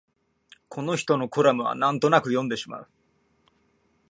この人のコラムはなんとなく読んでしまう